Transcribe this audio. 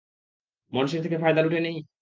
মানুষের থেকে ফায়দা লুটে নেই?